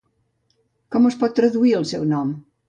Com es pot traduir el seu nom?